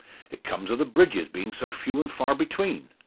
It comes o' the bridges bein' so few and far between.